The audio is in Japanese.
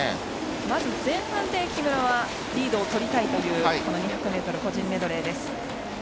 まず前半で木村はリードをとりたいという２００ｍ個人メドレーです。